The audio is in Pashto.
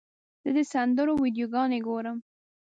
زه د سندرو ویډیوګانې ګورم.